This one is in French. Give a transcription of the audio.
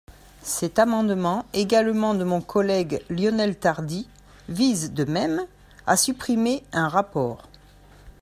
Cet amendement, également de mon collègue Lionel Tardy, vise, de même, à supprimer un rapport.